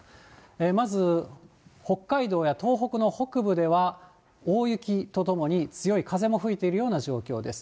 まず、北海道や東北の北部では大雪とともに強い風も吹いているような状況です。